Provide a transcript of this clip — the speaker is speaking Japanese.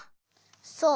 そう。